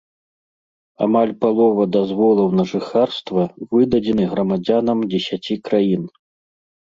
Амаль палова дазволаў на жыхарства выдадзены грамадзянам дзесяці краін.